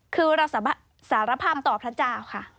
คือเราสารภาพต่อพระเจ้าค่ะ